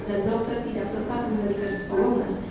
dan dokter tidak sempat memberikan pertolongan